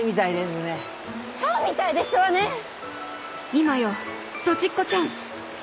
今よドジっ子チャンス！